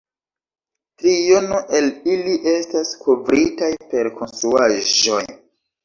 Triono el ili estas kovritaj per konstruaĵoj.